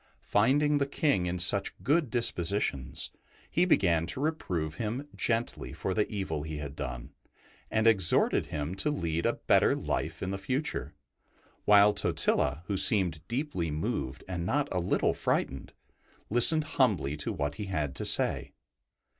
Finding the King in such good dispositions, he began to reprove him gently for the evil he had done, and exhorted him to lead a better life in the future, while Totila, who seemed deeply moved and not a little frightened, listened humbly to what he had to say.